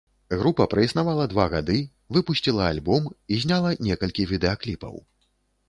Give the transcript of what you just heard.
Група праіснавала два гады, выпусціла альбом і зняла некалькі відэакліпаў.